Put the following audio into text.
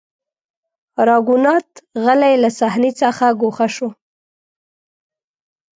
راګونات غلی له صحنې څخه ګوښه شو.